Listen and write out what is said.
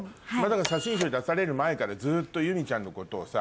写真集を出される前からずっと祐実ちゃんのことをさ